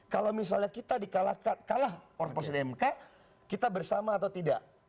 kalau misalnya kita kalah orporasi di mk kita bersama atau tidak